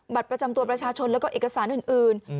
บัตรประจำตัวประชาชนแล้วก็เอกสารอื่น